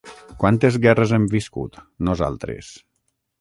Quantes guerres hem viscut, nosaltres?